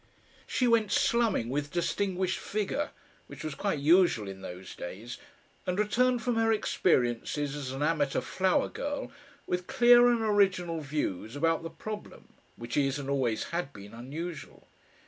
She went "slumming" with distinguished vigour, which was quite usual in those days and returned from her experiences as an amateur flower girl with clear and original views about the problem which is and always had been unusual.